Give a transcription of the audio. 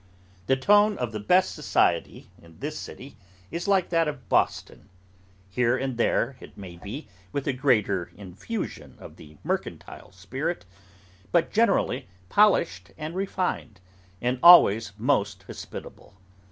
The tone of the best society in this city, is like that of Boston; here and there, it may be, with a greater infusion of the mercantile spirit, but generally polished and refined, and always most hospitable.